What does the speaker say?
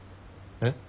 えっ？